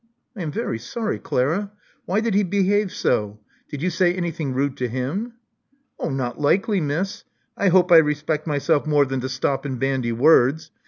• '*I am very sorry, Clara. Why did he behave so? Did yon say anything rude to him?" '*Not likely, Miss. I hope I respect myself more than to Stop and bandy words.